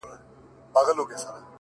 ما د هغې له سونډو څو ځلې زبېښلي شراب _